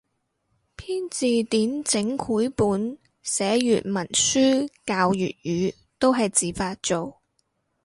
編字典整繪本寫粵文書教粵語都係自發做